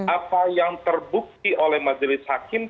apa yang terbukti oleh majelis hakim